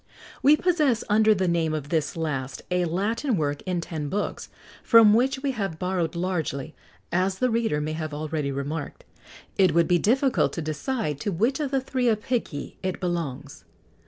We possess, under the name of this last, a Latin work in ten books, from which we have borrowed largely, as the reader may have already remarked. It would be difficult to decide to which of the three Apicii it belongs.